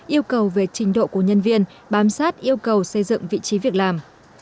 yêu cầu về trình độ của nhân viên bám sát yêu cầu xây dựng vị trí việc làm